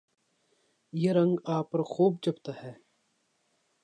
یہ رنگ آپ پر خوب جچتا ہے